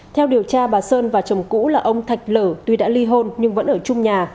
theo điều tra bà sơn và chồng cũ là ông thạch lở tuy đã ly hôn nhưng vẫn ở chung nhà